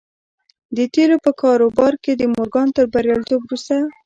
د تيلو په کاروبار کې د مورګان تر برياليتوب وروسته.